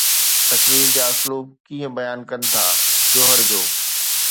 تقرير جا اسلوب ڪيئن بيان ڪن ٿا جوهر جو؟